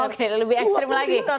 oke lebih ekstrim lagi